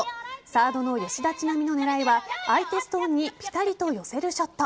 サードの吉田知那美の狙いは相手ストーンにピタリと寄せるショット。